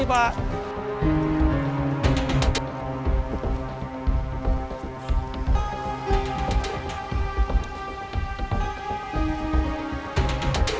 pakne hanya tuh